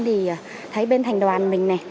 thì thấy bên thành đoàn mình